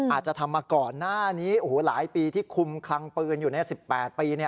อาจจะทำมาก่อนหน้านี้หลายปีที่คุมคลังปืนอยู่ใน๑๘ปี